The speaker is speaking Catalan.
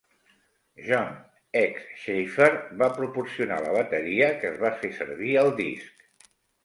John "Hexx" Shafer va proporcionar la bateria que es va fer servir al disc.